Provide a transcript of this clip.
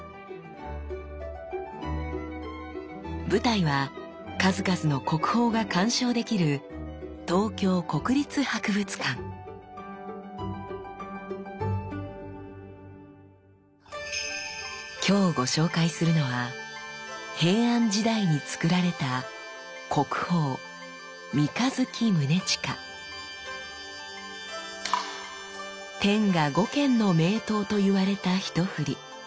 舞台は数々の国宝が鑑賞できるきょうご紹介するのは平安時代につくられた天下五剣の名刀と言われたひとふり。